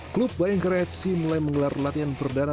klub bayangkara fc mulai menggelar latihan perdana